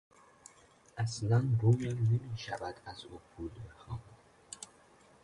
اصلا رویم نمیشود از او پول بخواهم.